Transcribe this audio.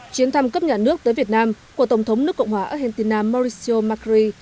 chuyến thăm cấp nhà nước tới việt nam của tổng thống nước cộng hòa argentina mauricio macri